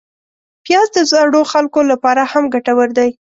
پیاز د زړو خلکو لپاره هم ګټور دی